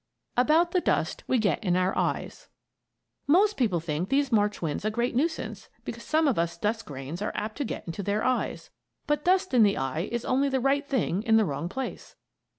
ABOUT THE DUST WE GET IN OUR EYES Most people think these March winds a great nuisance because some of us dust grains are apt to get into their eyes; but dust in the eye is only the right thing in the wrong place.